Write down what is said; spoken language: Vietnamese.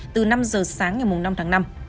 từ năm giờ sáng ngày mùng năm tháng năm